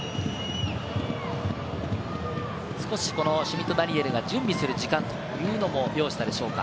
少し、シュミット・ダニエルが準備する時間というのもようしたでしょうか。